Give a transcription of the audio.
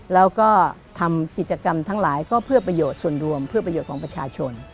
แล้วก็ทำกิจกรรมทั้งหลายก็เพื่อประโยชน์ส่วนรวมเพื่อประโยชน์ของประชาชน